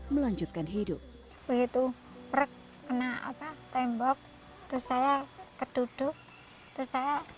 melanjutkan hidup begitu perek kena apa tembok terus saya keduduk terus saya